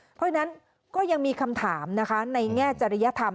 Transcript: เพราะฉะนั้นก็ยังมีคำถามนะคะในแง่จริยธรรม